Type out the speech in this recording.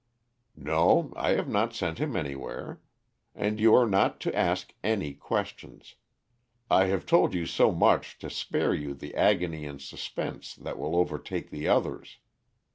"No, I have not sent him anywhere. And you are not to ask any questions. I have told you so much to spare you the agony and suspense that will overtake the others.